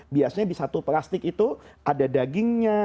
biasanya di satu plastik itu ada dagingnya